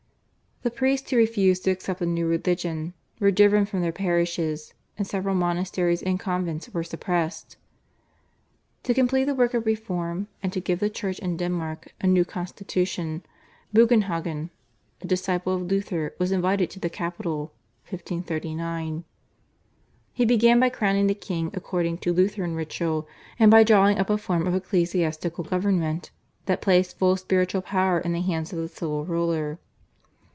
The priests who refused to accept the new religion were driven from their parishes, and several monasteries and convents were suppressed. To complete the work of reform and to give the Church in Denmark a new constitution Bugenhagen, a disciple of Luther, was invited to the capital (1539). He began by crowning the king according to Lutheran ritual, and by drawing up a form of ecclesiastical government that placed full spiritual power in the hands of the civil ruler.